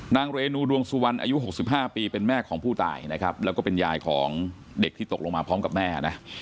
เรนูดวงสุวรรณอายุ๖๕ปีเป็นแม่ของผู้ตายนะครับแล้วก็เป็นยายของเด็กที่ตกลงมาพร้อมกับแม่นะ